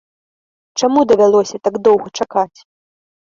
Чаму давялося так доўга чакаць?